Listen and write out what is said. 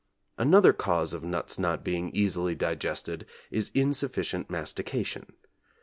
Another cause of nuts not being easily digested is insufficient mastication.